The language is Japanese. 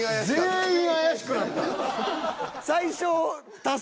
全員怪しくなった。